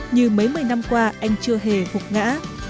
như mấy mươi năm qua anh chưa hề phục ngã